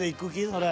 それ。